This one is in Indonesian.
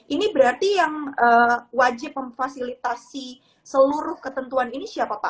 ini berarti yang wajib memfasilitasi seluruh ketentuan ini siapa pak